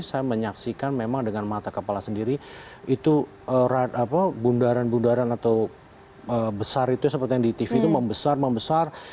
saya menyaksikan memang dengan mata kepala sendiri itu bundaran bundaran atau besar itu seperti yang di tv itu membesar membesar